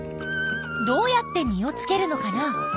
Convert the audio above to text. どうやって実をつけるのかな？